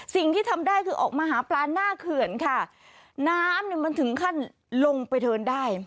สิ่งที่ทำได้คือออกมาหาปลาหน้าเขื่อนค่ะน้ำเนี่ยมันถึงขั้นลงไปเทินได้